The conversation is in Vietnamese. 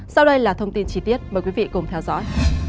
sau đây là thông tin chi tiết mời quý vị cùng theo dõi